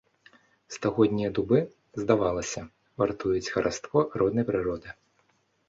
Стагоднія дубы, здавалася, вартуюць хараство роднай прыроды.